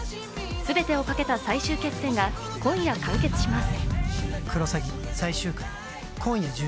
全てをかけた最終決戦が今夜完結します。